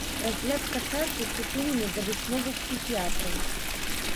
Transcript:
Разгляд касацыі прыпынены да высноваў псіхіятраў.